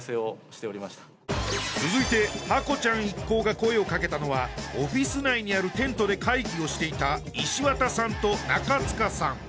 続いてハコちゃん一行が声をかけたのはオフィス内にあるテントで会議をしていた石渡さんと中塚さん